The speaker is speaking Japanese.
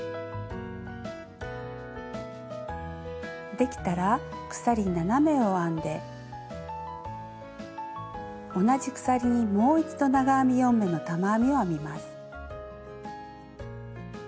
できたら鎖７目を編んで同じ鎖にもう一度長編み４目の玉編みを編みます。